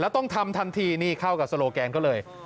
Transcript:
ต้องทำทันทีนี่เข้ากับโซโลแกนก็เลย